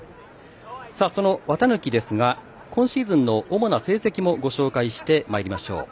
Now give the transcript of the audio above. その綿貫ですが今シーズンの主な成績もご紹介してまいりましょう。